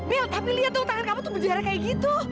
mil tapi liat dong tangan kamu tuh berjarah kayak gitu